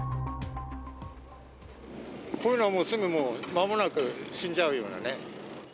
こういうのはもうすぐにまもなく死んじゃうようなね。